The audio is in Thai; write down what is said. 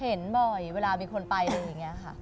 เห็นบ่อยเวลามีคนไปอะไรอย่างนี้ค่ะ